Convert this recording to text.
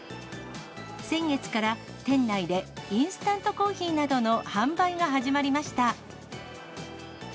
先月から店内でインスタントコーヒーなどの販売が始まりました。